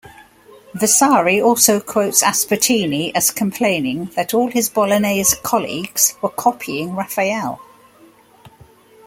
Vasari also quotes Aspertini as complaining that all his Bolognese colleagues were copying Raphael.